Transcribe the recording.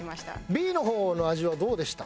Ｂの方の味はどうでした？